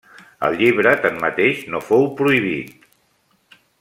El llibre, tanmateix, no fou prohibit.